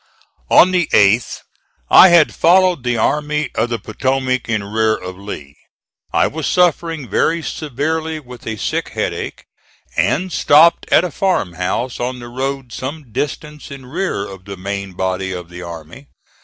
On the 8th I had followed the Army of the Potomac in rear of Lee. I was suffering very severely with a sick headache, and stopped at a farmhouse on the road some distance in rear of the main body of the army.